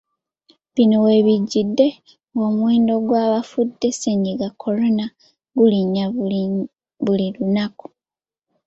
Bino we bijjidde ng’omuwendo gy’abafudde ssennyiga Corona gulinnya buli lunaku.